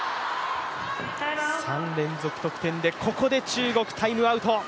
３連続得点で、ここで中国、タイムアウト。